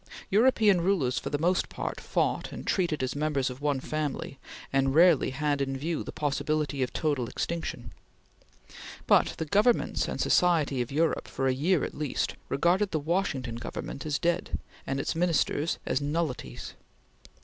European rulers for the most part fought and treated as members of one family, and rarely had in view the possibility of total extinction; but the Governments and society of Europe, for a year at least, regarded the Washington Government as dead, and its Ministers as nullities.